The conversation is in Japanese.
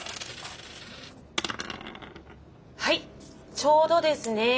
はいちょうどですね。